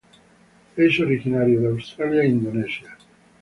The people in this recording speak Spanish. Es originario de Australia e Indonesia.